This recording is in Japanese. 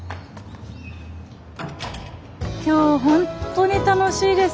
今日本当に楽しいです。